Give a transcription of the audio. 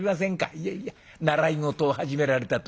いやいや習い事を始められたと。